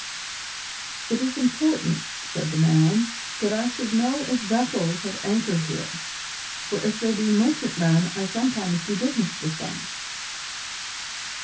"It is important," said the man, "that I should know if vessels have anchored here, for if they be merchantmen I sometimes do business with them."